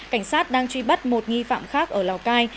cảnh sát đang truy bắt một nghi phạm khác ở lào cai